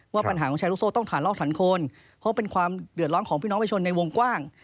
ปัญหาของแชร์ลูกโซ่ต้องฐานลอกฐานคนเพราะเป็นความเดือดร้อนของพี่น้องประชาชนในวงกว้าง